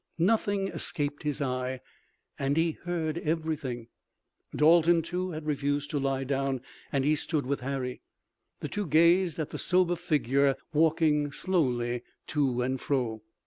Nothing escaped his eye, and he heard everything. Dalton, too, had refused to lie down and he stood with Harry. The two gazed at the sober figure walking slowly to and fro.